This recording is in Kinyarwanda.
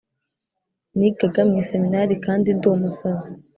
Nigaga mu iseminari kandi ndi umusazi